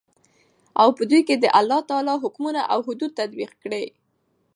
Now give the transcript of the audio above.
او په دوى كې دالله تعالى حكمونه او حدود تطبيق كړي .